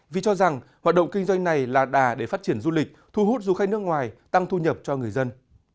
vì cho rằng hoạt động kinh doanh này là đà để phát triển du lịch thu hút du khách nước ngoài tăng thu nhập cho người dân